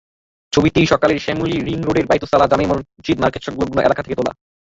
ছবিটি সকালে শ্যামলী-রিং রোডের বায়তুস সালাহ্ মসজিদ মার্কেটসংলগ্ন এলাকা থেকে তোলা।